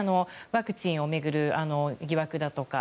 ワクチンを巡る疑惑だとか。